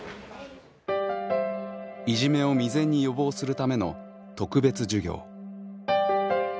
いじめを未然に予防するための特別授業。